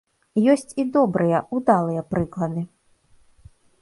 Ёсць і добрыя, удалыя прыклады.